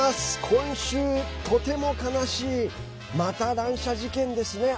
今週、とても悲しいまた乱射事件ですね。